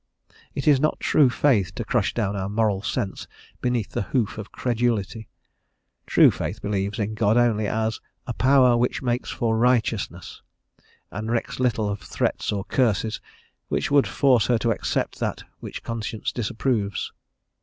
It is not true faith to crush down our moral sense beneath the hoof of credulity; true faith believes in God only as a "Power which makes for Righteousness" and recks little of threats or curses which would force her to accept that which conscience disapproves.